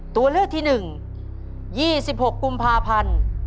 ตัวเลือกที่๑๒๖กุมภาพันธ์